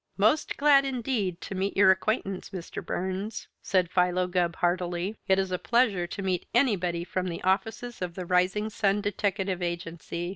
"Most glad, indeed, to meet your acquaintance, Mr. Burns," said Philo Gubb heartily. "It is a pleasure to meet anybody from the offices of the Rising Sun Deteckative Agency.